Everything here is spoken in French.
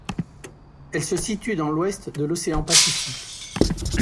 Elle se situe dans l'Ouest de l'océan Pacifique.